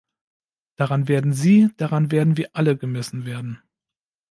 Daran werden Sie, daran werden wir alle gemessen werden!